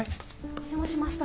お邪魔しました。